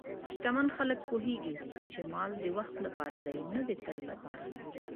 شتمن خلک پوهېږي چې مال د وخت لپاره دی، نه د تل لپاره.